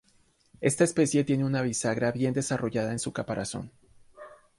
Esta especie tiene una bisagra bien desarrollada en su caparazón.